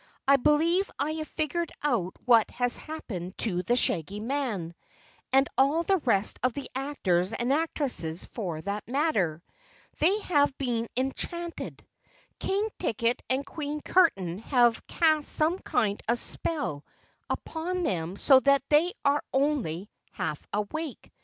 "I believe I have figured out what has happened to the Shaggy Man and all the rest of the actors and actresses, for that matter. They have been enchanted. King Ticket and Queen Curtain have cast some kind of spell upon them so that they are only half awake.